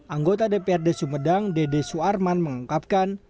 anggota dprd sumedang dede suarman mengungkapkan